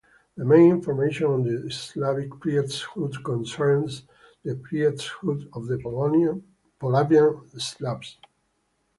The main informations on the Slavic priesthood concerns the priesthood of the Polabian Slavs.